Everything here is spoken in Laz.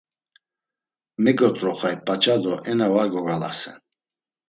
Megot̆roxoy paç̌a do ena var gogalasen.